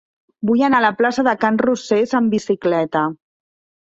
Vull anar a la plaça de Can Rosés amb bicicleta.